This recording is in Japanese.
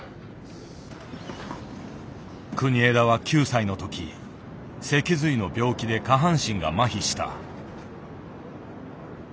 国枝は９歳の時脊髄の病気で下半身が麻痺した。